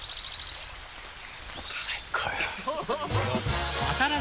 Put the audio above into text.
最高よ。